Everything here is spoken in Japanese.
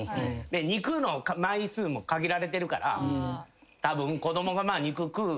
肉の枚数も限られてるからたぶん子供が肉食う。